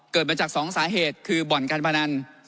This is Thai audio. เกิดมาจากสองสาเหตุคือบ่อนการพนัน